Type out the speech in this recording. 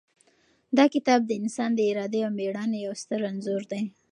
دا کتاب د انسان د ارادې او مېړانې یو ستر انځور دی.